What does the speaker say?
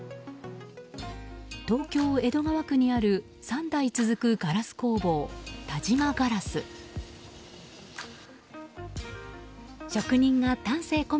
東京・江戸川区にある３代続くガラス工房、田島硝子。